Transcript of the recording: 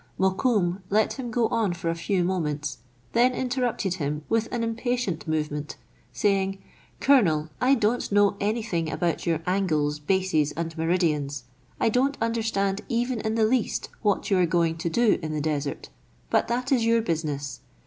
Mokoum let him go on for a few moments, then interrupted him with an impatient movement, saying, " Colonel, I don't know any thing about your angles, bases, and meridians. I don't understand even in the least what you are going to do in the desert : but that is your business.